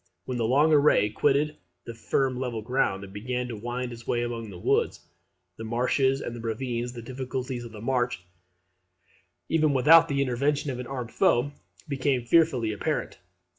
When the long array quitted the firm level ground, and began to wind its way among the woods, the marshes, and the ravines, the difficulties of the march, even without the intervention of an armed foe, became fearfully apparent.